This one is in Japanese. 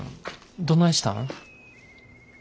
どないしたん？